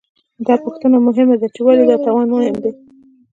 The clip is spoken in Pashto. دا پوښتنه مهمه ده، چې ولې دا توان مهم دی؟